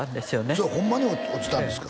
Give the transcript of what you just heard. それホンマに落ちたんですか？